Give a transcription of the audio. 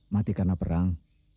mati karena perang